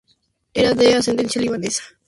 Era de ascendencia libanesa.